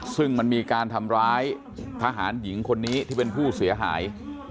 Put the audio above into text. ซึ่งมันมีการทำร้ายทหารหญิงคนนี้ที่เป็นผู้เสียหาย